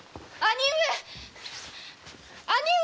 兄上！